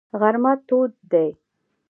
غرمه تود دی.